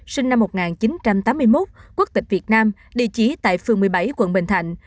sinh năm một nghìn chín trăm tám mươi một quốc tịch việt nam địa chỉ tại phường một mươi bảy quận bình thạnh